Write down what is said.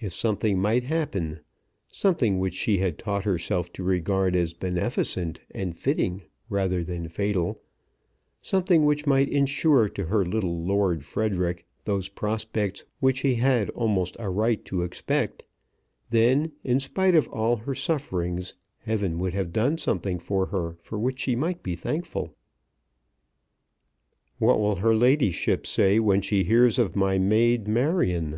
If something might happen, something which she had taught herself to regard as beneficent and fitting rather than fatal, something which might ensure to her little Lord Frederic those prospects which he had almost a right to expect, then in spite of all her sufferings Heaven would have done something for her for which she might be thankful. "What will her ladyship say when she hears of my maid Marion?"